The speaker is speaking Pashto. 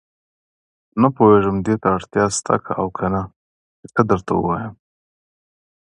نه پوهېږم دې ته اړتیا شته او کنه چې څه درته ووايم.